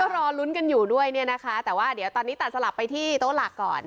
รอลุ้นกันอยู่ด้วยเนี่ยนะคะแต่ว่าเดี๋ยวตอนนี้ตัดสลับไปที่โต๊ะหลักก่อน